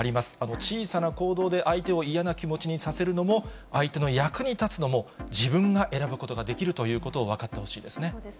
小さな行動で相手を嫌な気持ちにさせるのも、相手の役に立つのも、自分が選ぶことができるということを分かっそうですね。